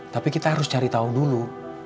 tapi kita harus cari tahu dulu